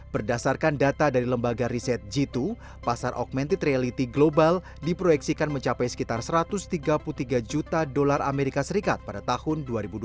berdasarkan data dari lembaga riset g dua pasar augmented reality global diproyeksikan mencapai sekitar satu ratus tiga puluh tiga juta dolar amerika serikat pada tahun dua ribu dua puluh dua